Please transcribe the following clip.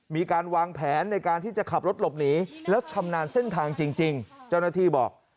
มีการวางแผนในการที่จะขับรถหลบหนีแล้วชำนาญเส้นทางจริงเจ้าหน้าที่บอก